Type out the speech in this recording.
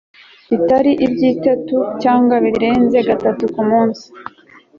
bitari ibyitetu cyangwa birenze gatatu ku munsi